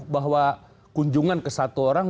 bahwa kunjungan ke satu orang